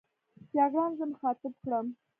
جګړن زه مخاطب کړم.